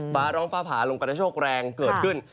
ฟ้าร้องฟ้าผ่าลมกระโชคแรงเกิดขึ้น